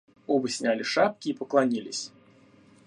Оба сняли шапки и поклонились.